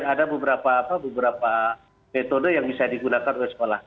ada beberapa metode yang bisa digunakan oleh sekolah